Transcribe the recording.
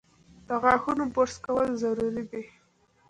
د غاښونو برس کول ضروري دي۔